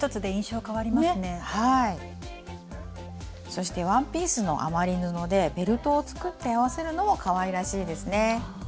そしてワンピースの余り布でベルトを作って合わせるのもかわいらしいですね。